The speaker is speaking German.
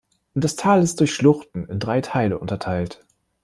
Das Tal ist durch Schluchten in drei Teile unterteilt.